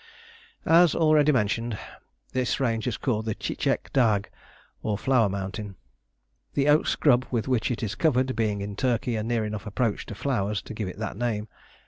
As already mentioned, this range is called Tchitchek Dagh, or Flower Mountain, the oak scrub with which it is covered being in Turkey a near enough approach to flowers to give it that name.